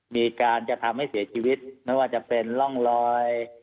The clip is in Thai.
มีการจะทำให้เสียชีวิตไม่ว่าจะเป็นร่องรอย